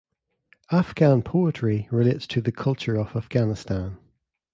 Afghan poetry relates to the culture of Afghanistan.